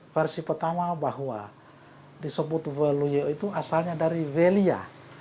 versi pertama bahwa disebut value itu asalnya dari velia